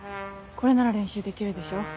これなら練習できるでしょ。